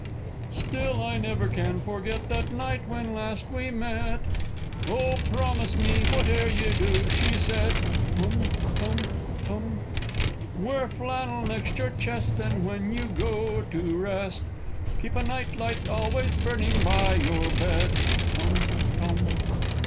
Still I never can forget that night when last we met: "Oh, promise me whate'er you do!" she said, (Tum tum tum!) "Wear flannel next your chest, and, when you go to rest, Keep a night light always burning by your bed!" (Tum tum!)